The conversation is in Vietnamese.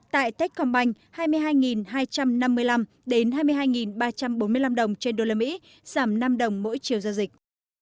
tại techcombank hai mươi hai hai trăm năm mươi năm đến hai mươi hai ba trăm bốn mươi năm đồng trên đô la mỹ tăng năm đồng mỗi chiều giao dịch